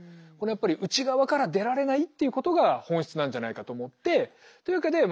やっぱり内側から出られないっていうことが本質なんじゃないかと思ってというわけで私はですね